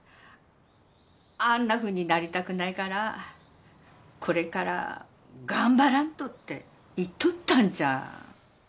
「あんなふうになりたくないからこれから頑張らんと」って言っとったんじゃ。